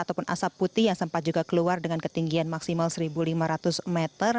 ataupun asap putih yang sempat juga keluar dengan ketinggian maksimal satu lima ratus meter